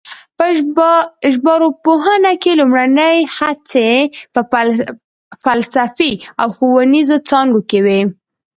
په ژبارواپوهنه کې لومړنۍ هڅې په فلسفي او ښوونیزو څانګو کې وې